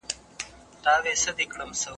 چي دي هر گړی زړه وسي په هوا سې